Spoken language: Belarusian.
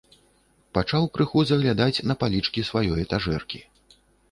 Пачаў крыху заглядаць на палічкі сваёй этажэркі.